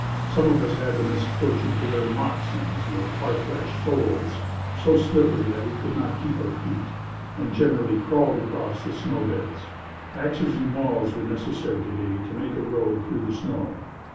Some of us had the misfortune to wear moccasins with parflêche soles, so slippery that we could not keep our feet, and generally crawled across the snow beds. Axes and mauls were necessary to day, to make a road through the snow.